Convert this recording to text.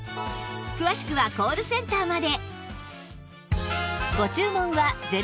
詳しくはコールセンターまで